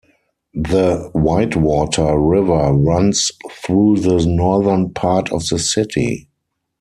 The Whitewater River runs through the northern part of the city.